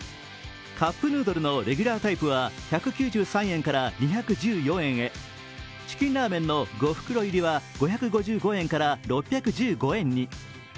カップヌードルのレギュラータイプは１９３円から２１４円にチキンラーメンの５袋入りは５５０円から６１５円に。